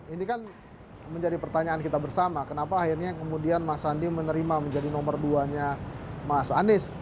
ini kan menjadi pertanyaan kita bersama kenapa akhirnya kemudian mas sandi menerima menjadi nomor duanya mas anies